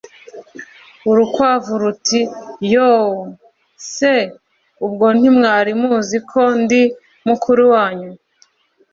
urukwavu ruti « yoo ! se ubwo ntimwari muzi ko ndi mukuru wanyu?